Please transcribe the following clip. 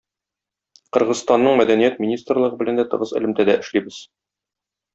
Кыргызстанның мәдәният министрлыгы белән дә тыгыз элемтәдә эшлибез.